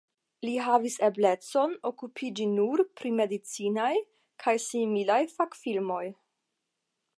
Li havis eblecon okupiĝi nur pri medicinaj kaj similaj fakfilmoj.